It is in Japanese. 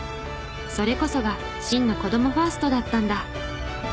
それこそが真の子どもファーストだったんだ。